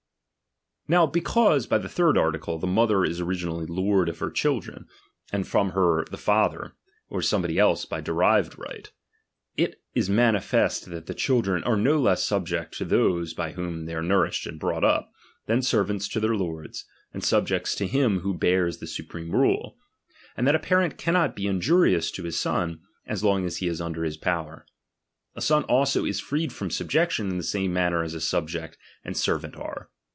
119 7. Now because, by the third article, the ffiO^A^?' chap. ix. is originally lord of ker children, and from her "^'' tlie father, or somebody else by derived right ; it arenoi™*.ib. is manifest that the children are no less subject to CiTiium i^ tliose by whom they are nourished and brought ™^"^^^, lip, than servants to their lords, and subjects to j""""1'«'"^'j bim who bears the supreme rule ; and that a pa ^^J i~ent cannot be injurious to his son, as long as he is ^H Tinder his power. A son also is freed from subjec ^^1 "tion in the same manner as a subject and servant xtre.